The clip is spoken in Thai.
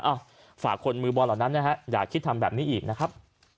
ฝากคนมือบอลเหล่านั้นนะฮะอย่าคิดทำแบบนี้อีกนะครับ